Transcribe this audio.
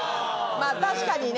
まぁ確かにね。